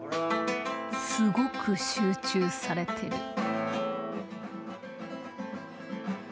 すごく集中されてる。